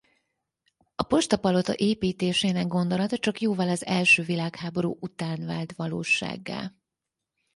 A Postapalota építésének gondolata csak jóval az első világháború után vált valósággá.